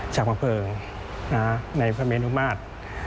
ฉากบังเผลอค์ในกระเมินอุมาติ